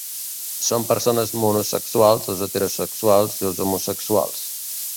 Són persones monosexuals els heterosexuals i els homosexuals.